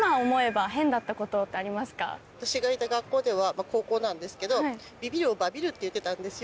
私がいた学校では高校なんですけど。って言ってたんですよ。